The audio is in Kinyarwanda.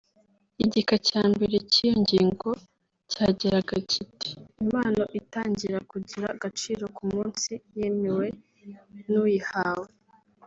Igika cya mbere cy’iyo ngingo cyagiraga kiti “Impano itangira kugira agaciro ku munsi yemewe n’uyihawe”